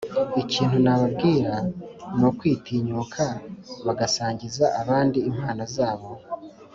Ikintu nababwira ni ukwitinyuka bagasangiza abandi impano zabo,